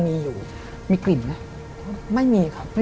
มีกลิ่นไหม